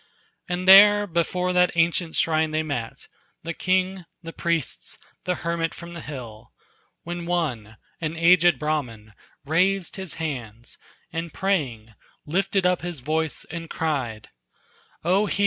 And there before that ancient shrine they met, The king, the priests, the hermit from the hill, When one, an aged Brahman, raised his hands, And praying, lifted up his voice and cried: "O hear!